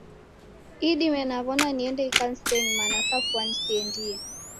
Idime naw'ona niende ikanisenyi maana kafwani siendie